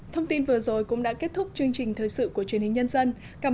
thông tin vừa rồi cũng đã kết thúc chương trình thời sự của truyền hình nhân dân cảm